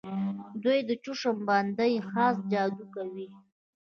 دوی د چشم بندۍ خاص جادو کوي.